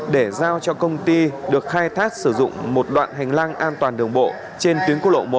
để giao cho công ty được khai thác sử dụng một đoạn hành lang an toàn đường bộ trên tuyến quốc lộ một